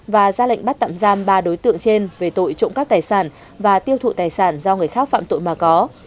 và ra lệnh bắt tạm giam ba đối tượng trên về tội trộm cắp tài sản và tiêu thụ tài sản do người khác phạm tội mà có